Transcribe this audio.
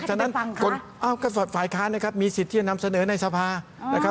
ถ้าฝ่ายค้านนะครับมีสิทธิ์ที่จะนำเสนอในสภา